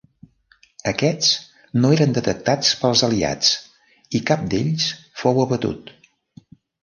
Aquests no eren detectats pels Aliats i cap d'ells fou abatut.